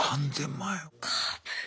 ３０００万円。